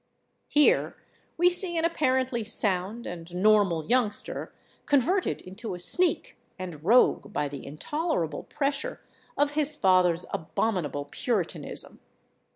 Here we see an apparently sound and normal youngster converted into a sneak and rogue by the intolerable pressure of his father's abominable Puritanism.